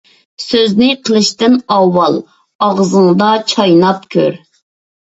سۆزنى قىلىشتىن ئاۋۋال، ئاغزىڭدا چايناپ كۆر.